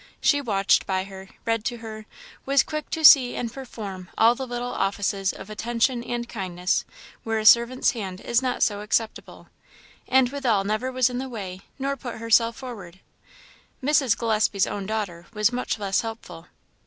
She watched by her, read to her, was quick to see and perform all the little offices of attention and kindness where a servant's hand is not so acceptable; and withal never was in the way nor put herself forward. Mrs. Gillespie's own daughter was much less helpful.